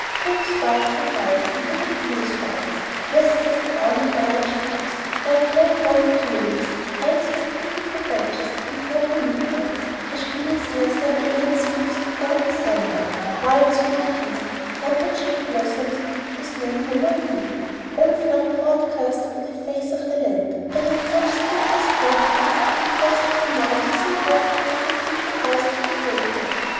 Pink spikes and white and vivid blue spikes; masses of brown and orange cups, like low growing tulips; ranks of beautiful vetches and purple lupines; escholtzias, like immense sweeps of golden sunlight; wild sweet peas; trumpet shaped blossoms whose name no one knew, all flung broadcast over the face of the land, and in such stintless quantities that it dazzled the mind to think of as it did the eyes to behold them.